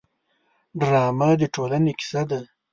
ډرامه د ټولنې کیسه ده